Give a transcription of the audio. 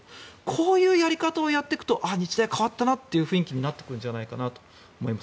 こういうやり方をやっていくと日大、変わったなという雰囲気になるんじゃないかなと思います。